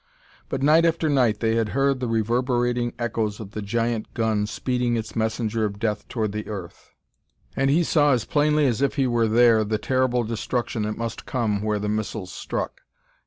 But night after night they had heard the reverberating echoes of the giant gun speeding its messenger of death toward the earth, and he saw as plainly as if he were there the terrible destruction that must come where the missiles struck.